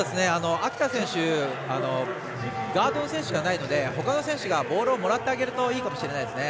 秋田選手ガードの選手ではないのでほかの選手がボールをもらってあげるといいかもしれないですね。